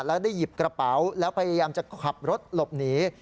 แล้วได้หยิบกระเป๋าแล้วพยายามจะขับรถหลบหนี